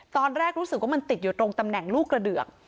ตอนแรกรู้สึกว่ามันติดอยู่ตรงตำแหน่งลูกกระเดือก